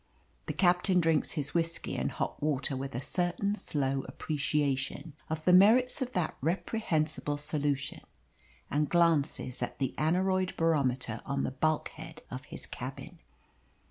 The captain drinks his whisky and hot water with a certain slow appreciation of the merits of that reprehensible solution, and glances at the aneroid barometer on the bulkhead of his cabin.